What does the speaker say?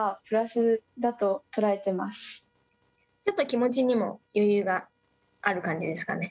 気持ちにも余裕がある感じですかね。